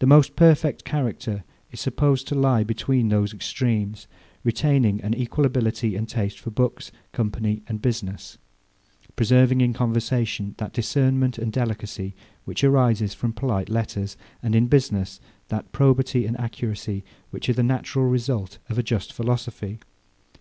The most perfect character is supposed to lie between those extremes; retaining an equal ability and taste for books, company, and business; preserving in conversation that discernment and delicacy which arise from polite letters; and in business, that probity and accuracy which are the natural result of a just philosophy.